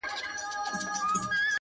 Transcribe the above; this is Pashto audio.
زه د هنرونو له کماله وځم’